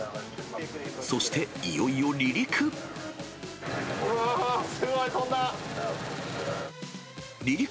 そしていよいよ離陸。